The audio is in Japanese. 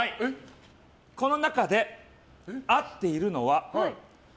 この中で合っているのは。